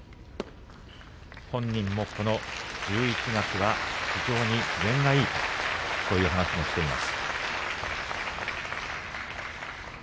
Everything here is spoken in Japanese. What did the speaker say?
本人も、この１１月は非常に験がいいそういう話もしています。